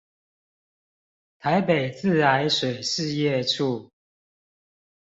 臺北自來水事業處